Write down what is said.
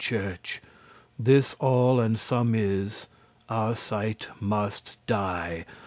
* *church This all and some is, Arcite must die.